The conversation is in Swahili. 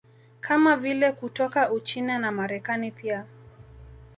Kama vile kutoka Uchina na Marekani pia